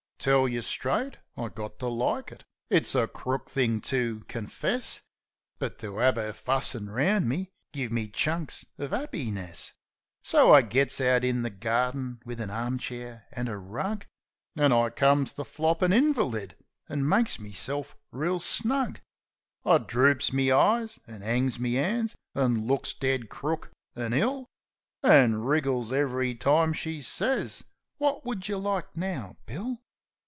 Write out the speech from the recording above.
Tell yeh straight; I got to like it. It's a crook thing to confess, But to 'ave 'er fussin' round me give me chunks uv 'appiness. So I gits out in the garden wiv an arm chair an' a rug, An' I comes the floppin' invaleed, an' makes meself reel snug. 22 Possum I droops me eyes an' 'angs me 'ands, an' looks dead crook an* ill; An' wriggles ev'ry time she sez, "Wot would yeh like now, Bill?"